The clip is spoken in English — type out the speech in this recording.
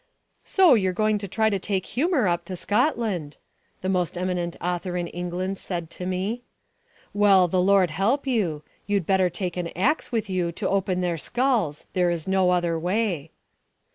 "So you're going to try to take humour up to Scotland," the most eminent author in England said to me. "Well, the Lord help you. You'd better take an axe with you to open their skulls; there is no other way."